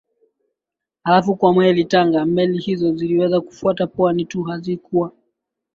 halafu kwa meli za tanga Meli hizo ziliweza kufuata pwani tu hazikuwa